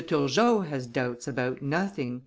Turgot has doubts about nothing." M.